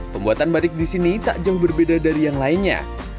pembuatan batik di sini tak jauh berbeda dari yang lainnya